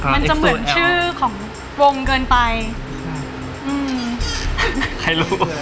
มันจะเหมือนชื่อของวงเกินไปอืมอืม